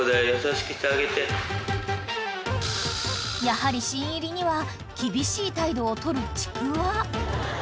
［やはり新入りには厳しい態度を取るちくわ］